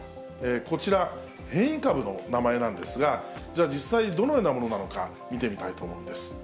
こちら、変異株の名前なんですが、じゃあ、実際どのようなものなのか、見てみたいと思うんです。